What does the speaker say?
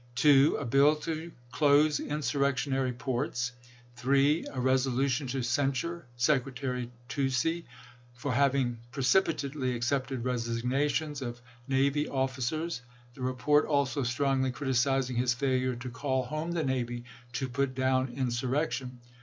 2. A bill to close insurrection ary ports. 3. A resolution to censure Secretary Toucey for having precipitately accepted resigna tions of navy officers ; the report also strongly criti cizing his failure to call home the navy to put down insurrection.